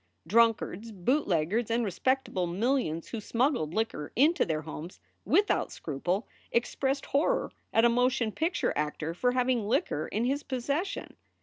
Drunkards, bootleggers, and respectable millions who smuggled liquor into their homes without scruple expressed horror at a motion picture actor for having liquor in his possession.